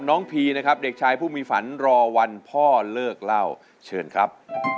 พีนะครับเด็กชายผู้มีฝันรอวันพ่อเลิกเล่าเชิญครับ